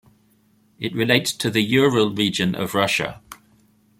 It relates to the Ural region of Russia.